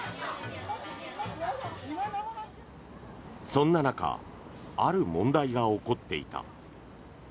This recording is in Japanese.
そんな中、ある問題が起こっていた。